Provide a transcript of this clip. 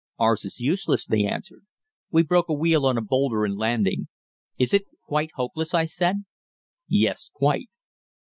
"Ours is useless," they answered. "We broke a wheel on a boulder in landing." "Is it quite hopeless?" I said. "Yes, quite."